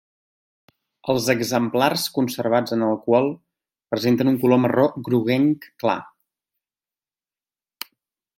Els exemplars conservats en alcohol presenten un color marró groguenc clar.